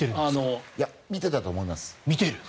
見ていたと思います。